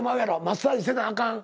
マッサージせなあかん。